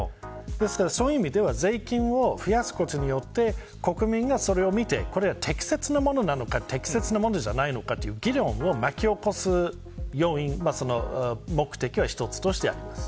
そういう意味で税金を増やすことによって国民が、それを見て適切なものなのか適切なものでないのかという議論を巻き起こす要因目的が一つとして、あります。